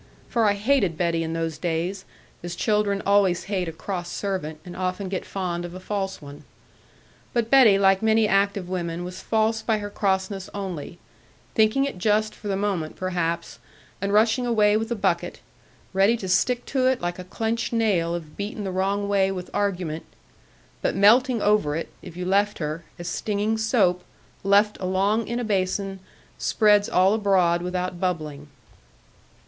For I hated Betty in those days, as children always hate a cross servant, and often get fond of a false one. But Betty, like many active women, was false by her crossness only; thinking it just for the moment perhaps, and rushing away with a bucket; ready to stick to it, like a clenched nail, if beaten the wrong way with argument; but melting over it, if you left her, as stinging soap, left along in a basin, spreads all abroad without bubbling.